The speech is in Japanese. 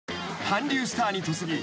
［韓流スターに嫁ぎ